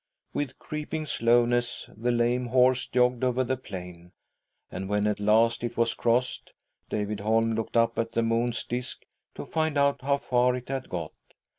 With creeping slowness the lame horse jogged over the plain, and when at last it was crossed David Holm looked up at the moon's disk to find out how far it had got.